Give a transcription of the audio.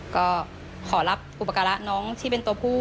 ก็ขอรับอุปการะน้องที่เป็นตัวผู้